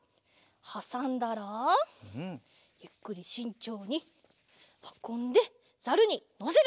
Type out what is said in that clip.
はさんだらゆっくりしんちょうにはこんでザルにのせる。